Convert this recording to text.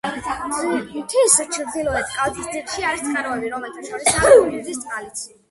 მთის ჩრდილოეთი კალთის ძირში არის წყაროები, რომელთა შორისაა გოგირდის წყალიც.